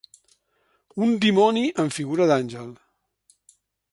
Un dimoni en figura d'àngel.